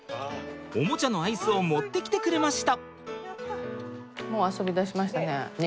おもちゃのアイスを持ってきてくれました。